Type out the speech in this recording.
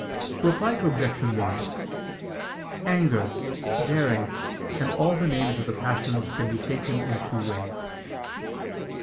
Reply Obj. 1: Anger, daring and all the names of the passions can be taken in two ways.